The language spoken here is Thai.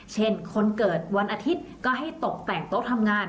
เช่นคนเกิดวันอาทิตย์ก็ให้ตกแต่งโต๊ะทำงาน